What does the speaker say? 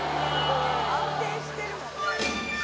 安定してるもんね。